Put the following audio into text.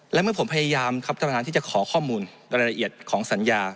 และเมื่อผมพยายามครับท่านประธานที่จะขอข้อมูลรายละเอียดของสัญญา